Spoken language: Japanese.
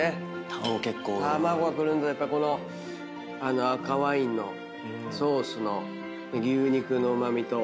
卵がくるんでやっぱこの赤ワインのソースの牛肉のうま味と。